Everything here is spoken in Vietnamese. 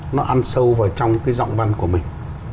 nó ăn sâu vào trong cái giọng văn của mình